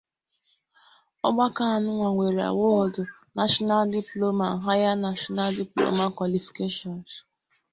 The institution is certified to award National Diploma and Higher National Diploma qualifications.